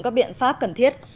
các biện pháp cần thiết